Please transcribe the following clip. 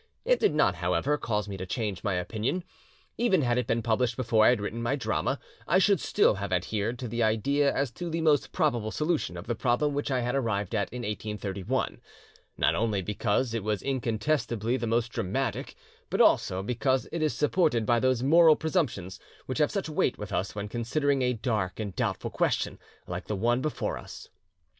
It did not, however, cause me to change my opinion. Even had it been published before I had written my drama, I should still have adhered to the idea as to the most probable solution of the problem which I had arrived at in 1831, not only because it was incontestably the most dramatic, but also because it is supported by those moral presumptions which have such weight with us when considering a dark and doubtful question like the one before us.